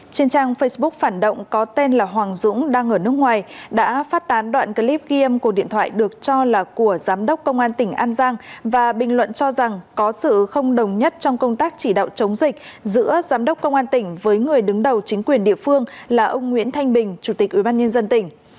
trên trang facebook phản động có tên là hoàng dũng đang ở nước ngoài đã phát tán đoạn clip ghi âm của điện thoại được cho là của giám đốc công an tỉnh an giang và bình luận cho rằng có sự không đồng nhất trong công tác chỉ đạo chống dịch giữa giám đốc công an tỉnh với người đứng đầu chính quyền địa phương là ông nguyễn thanh bình chủ tịch ubnd tỉnh